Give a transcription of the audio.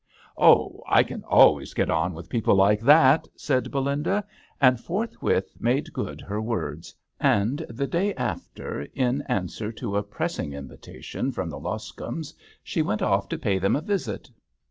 " Oh, I can always get on with people like that," said Belinda, and forthwith made good her words; and the day after, in answer to a pressing invitation THE h6T£L D'ANGLETERRE. 39 from the Loscombes, she went off to pay them a visit.